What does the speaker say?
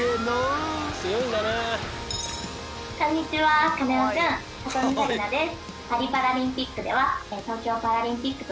こんにちはカネオくん。里見紗季奈です。